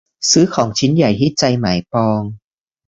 ซื้อของชิ้นใหญ่ที่ใจหมายปอง